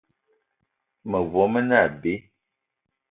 Mevo me ne abe.